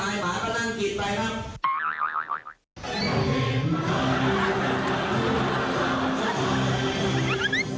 ถ้าไม่อายหมาก็นั่งกีดไปครับ